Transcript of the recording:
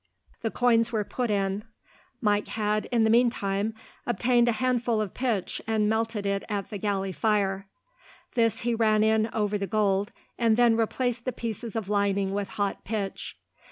The coins were put in. Mike had, in the meantime, obtained a handful of pitch and melted it at the galley fire. This he ran in over the gold, and then replaced the pieces of lining with hot pitch.